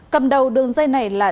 cầm đầu đường dây này là